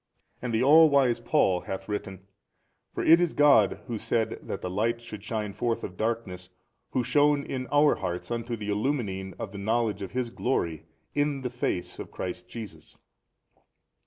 And the all wise Paul hath written, For it is God Who said that the light should shine forth of darkness, Who shone in our hearts unto the illumining of the knowledge of His glory in the Face of Christ Jesus.